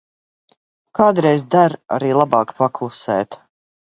Kādreiz der arī labāk paklusēt.